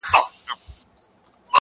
نور به له پالنګ څخه د جنګ خبري نه کوو!!